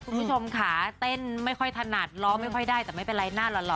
คุณผู้ชมค่ะเต้นไม่ค่อยถนัดล้อไม่ค่อยได้แต่ไม่เป็นไรหน้าหล่อ